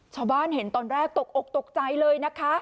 ชาวบ้านเห็นตอนแรกตกอกตกใจเลยนะคะ